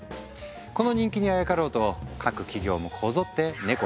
この人気にあやかろうと各企業もこぞってネコ